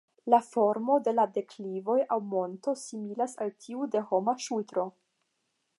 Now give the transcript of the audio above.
La formo de la deklivoj aŭ monto similas al tiu de homa ŝultro.